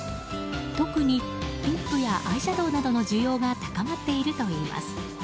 特にリップやアイシャドーなどの需要が高まっているといいます。